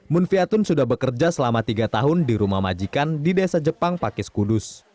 mun viatun sudah bekerja selama tiga tahun di rumah majikan di desa jepang pakis kudus